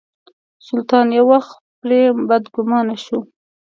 سلطان یو وخت پرې بدګومانه شو.